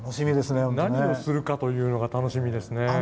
何をするかというのが楽しみですね。